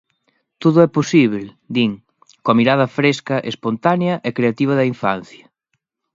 "Todo é posíbel", din, "coa mirada fresca, espontánea e creativa da infancia".